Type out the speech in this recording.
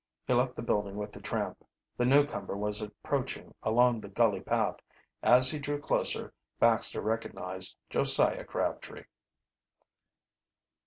He left the building with the tramp. The newcomer was approaching along the gully path. As he drew closer Baxter recognized Josiah Crabtree.